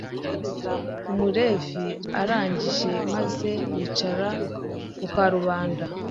umulevi arinjira maze yicara ku karubanda